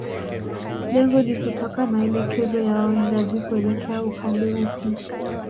Lengo ni kutoa maelekezo ya wawindaji kuelekea upande upi